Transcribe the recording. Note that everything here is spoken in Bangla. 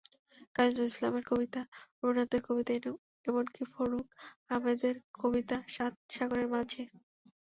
কাজী নজরুল ইসলামের কবিতা, রবীন্দ্রনাথের কবিতা, এমনকি ফররুখ আহমদের কবিতা—সাত সাগরের মাঝি।